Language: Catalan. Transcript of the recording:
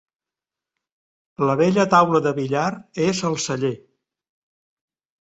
La vella taula de billar és al celler.